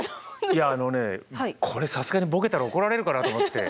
いやあのねこれさすがにボケたら怒られるかなと思って。